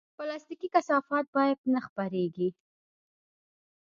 پلاستيکي کثافات باید نه خپرېږي.